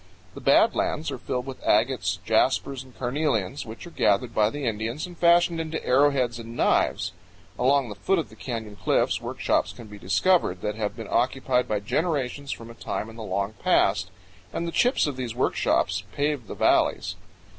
The bad lands are filled with agates, jaspers, and carnelians, which are gathered by the Indians and fashioned powell canyons 49.jpg AN INDIAN CAMP. into arrowheads and knives; along the foot of the canyon cliffs workshops can be discovered that have been occupied by generations from a time in the long past, and the chips of these workshops pave the valleys.